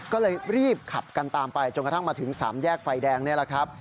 ก็เลยรีบขับกันตามไปจนกระทั่งมาถึงสามแยกไฟแดงนี่แหละครับ